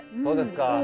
そうですか。